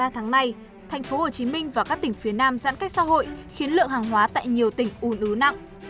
ba tháng nay tp hcm và các tỉnh phía nam giãn cách xã hội khiến lượng hàng hóa tại nhiều tỉnh ủn ứ nặng